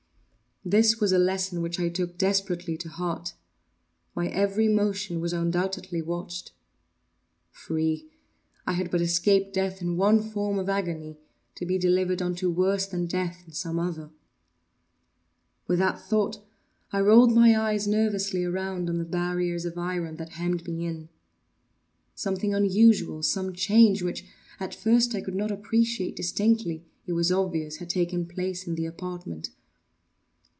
This was a lesson which I took desperately to heart. My every motion was undoubtedly watched. Free!—I had but escaped death in one form of agony, to be delivered unto worse than death in some other. With that thought I rolled my eves nervously around on the barriers of iron that hemmed me in. Something unusual—some change which, at first, I could not appreciate distinctly—it was obvious, had taken place in the apartment.